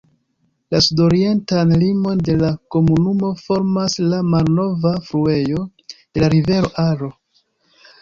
La sudorientan limon de la komunumo formas la malnova fluejo de la rivero Aro.